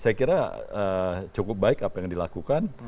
saya kira cukup baik apa yang dilakukan